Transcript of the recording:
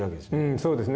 そうですね。